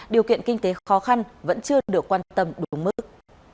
điều kiện kinh tế khó khăn vẫn chưa được quan tâm đúng mức